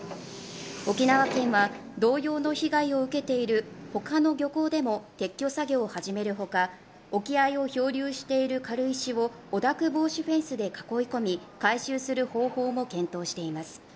沖縄県は同様の被害を受けているほかの漁港でも撤去作業を始めるほか沖合を漂流している軽石を汚濁防止フェンスで囲い込み回収する方法も検討しています